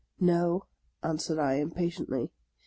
" No !" answered I, impatiently.